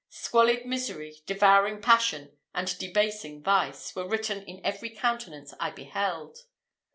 Squalid misery, devouring passion, and debasing vice, were written in every countenance I beheld.